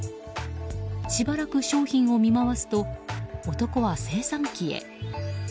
しばらく商品を見回すと男は精算機へ。